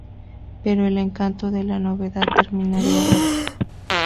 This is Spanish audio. Pero el encanto de la novedad terminaría rápido.